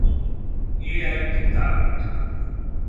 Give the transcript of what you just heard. AI की ताकत